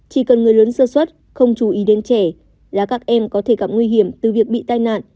chỉ cần người lớn sơ xuất không chú ý đến trẻ là các em có thể gặp nguy hiểm từ việc bị tai nạn